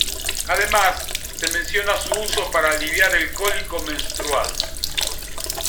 Además, se menciona su uso para aliviar el cólico menstrual.